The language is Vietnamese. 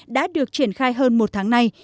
đã được triển khai hơn một tháng nay